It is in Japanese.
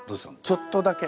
ちょっとだけ。